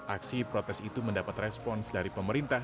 aksi protes itu mendapat respons dari pemerintah